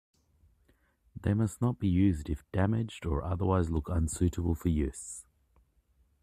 They must not be used if damaged or otherwise look unsuitable for use.